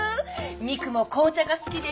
未来も紅茶が好きで。